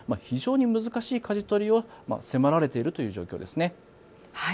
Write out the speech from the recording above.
非常に難しいかじ取りを迫られているという状況です。